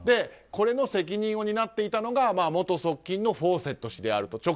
これの責任を担っていたのが元側近のフォーセット氏であると。